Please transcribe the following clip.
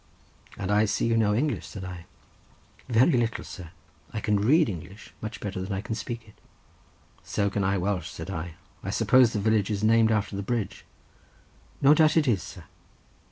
"And I see you know English," said I. "Very little, sir; I can read English much better than I can speak it." "So can I Welsh," said I. "I suppose the village is named after the bridge." "No doubt it is, sir."